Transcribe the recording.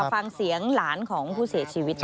ฟังเสียงหลานของผู้เสียชีวิตค่ะ